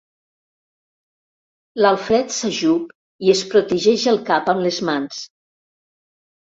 L'Alfred s'ajup i es protegeix el cap amb les mans.